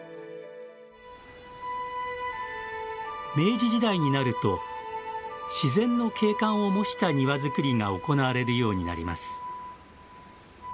明治時代になると自然の景観を模した庭づくりが行われるようになります。